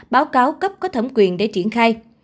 báo cáo cấp có thẩm quyền để triển khai